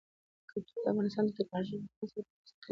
کلتور د افغانستان د تکنالوژۍ له پرمختګ سره پوره او مستقیم تړاو لري.